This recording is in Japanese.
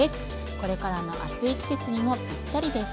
これからの暑い季節にもぴったりです。